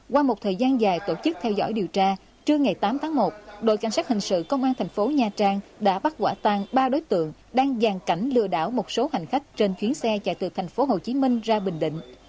qua một thời gian dài tổ chức theo dõi điều tra trưa ngày tám tháng một đội cảnh sát hình sự công an thành phố nha trang đã bắt quả tăng ba đối tượng đang giàn cảnh lừa đảo một số hành khách trên chuyến xe chạy từ thành phố hồ chí minh ra bình định